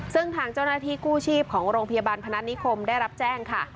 ซึ่งทางเจ้าหน้าที่กู้ชีพของโรงพยาบาลพนัฐนิคมได้รับแจ้งค่ะ